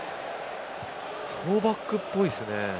４バックっぽいですね。